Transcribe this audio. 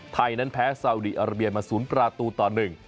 ไทยนั้นแพ้สาวดีอาระเบียนมาศูนย์ประตูต่อหนึ่ง